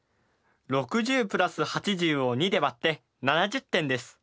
６０＋８０を２でわって７０点です。